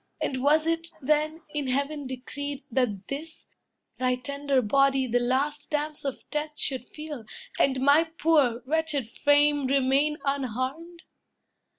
And was it, then, in heaven decreed, that this, Thy tender body the last damps of death Should feel, and my poor, wretched frame remain Unharmed?